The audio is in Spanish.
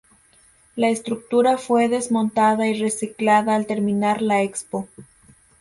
La estructura fue desmontada y reciclada al terminar la Expo.